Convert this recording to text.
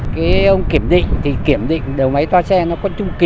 cái ông kiểm định thì kiểm định đầu máy toa xe nó có chung kỳ